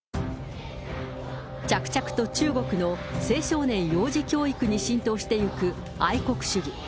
着々と中国の青少年・幼児教育に浸透していく愛国主義。